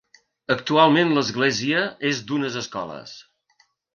Actualment l'església és d'unes escoles.